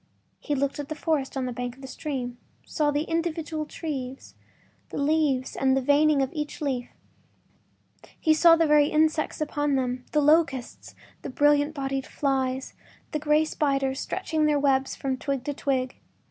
He looked at the forest on the bank of the stream, saw the individual trees, the leaves and the veining of each leaf—he saw the very insects upon them: the locusts, the brilliant bodied flies, the gray spiders stretching their webs from twig to twig.